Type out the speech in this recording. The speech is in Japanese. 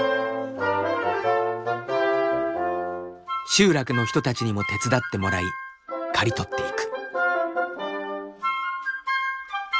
集落の人たちにも手伝ってもらい刈り取っていく。